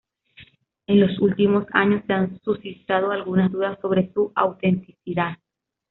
En los últimos años se han suscitado algunas dudas sobre su autenticidad.